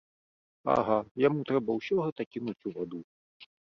Ага, яму трэба ўсё гэта кінуць у ваду.